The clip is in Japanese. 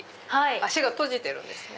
脚が閉じてるんですね。